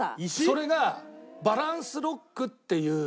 それがバランスロックっていう。